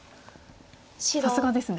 さすがですね。